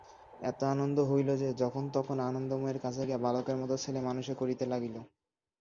এত আনন্দ হইল যে, যখন-তখন আনন্দময়ীর কাছে গিয়া বালকের মতো ছেলেমানুষি করিতে লাগিল।